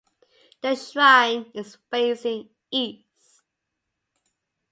The shrine is facing east.